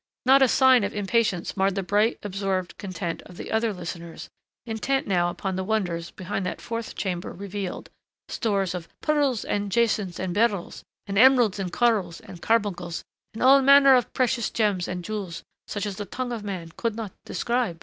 Not a sign of impatience marred the bright, absorbed content of the other listeners, intent now upon the wonders behind that the fourth chamber revealed, stores of "pearls and jacinths and beryls, and emeralds and corals and carbuncles and all manner of precious gems and jewels such as the tongue of man could not describe."